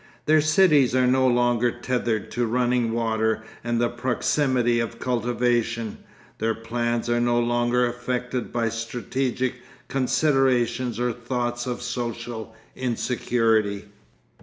Their cities are no longer tethered to running water and the proximity of cultivation, their plans are no longer affected by strategic considerations or thoughts of social insecurity.